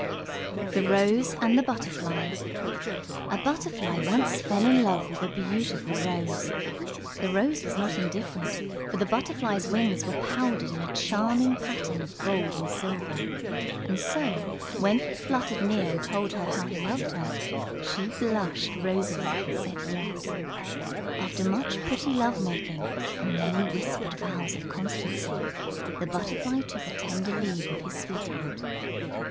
_ THE ROSE AND THE BUTTERFLY A Butterfly once fell in love with a beautiful Rose. The Rose was not indifferent, for the Butterfly's wings were powdered in a charming pattern of gold and silver. And so, when he fluttered near and told how he loved her, she blushed rosily and said yes. After much pretty love making and many whispered vows of constancy, the Butterfly took a tender leave of his sweetheart.